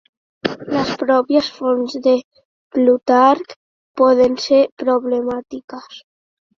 Les pròpies fonts de Plutarc poden ser problemàtiques.